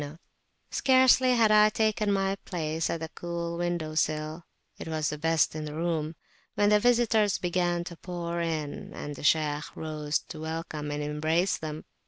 291] Scarcely had I taken my place at the cool windowsill, it was the best in the room, when the visitors began to pour in, and the Shaykh rose to welcome and embrace them.